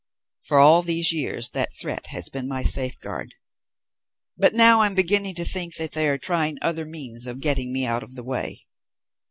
For all these years that threat has been my safeguard, but now I am beginning to think that they are trying other means of getting me out of the way."